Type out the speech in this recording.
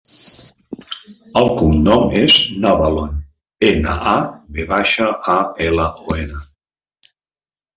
El cognom és Navalon: ena, a, ve baixa, a, ela, o, ena.